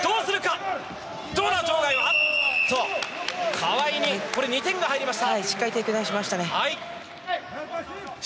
川井に２点が入りました。